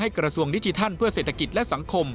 ให้กระทรวงนิจชีธรรมเพื่อเศรษฐกิจและสังคม